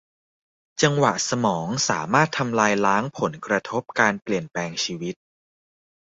จังหวะสมองสามารถทำลายล้างผลกระทบการเปลี่ยนแปลงชีวิต